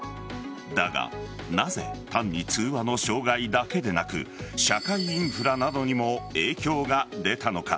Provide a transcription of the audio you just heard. だが、なぜ単に通話の障害だけでなく社会インフラなどにも影響が出たのか。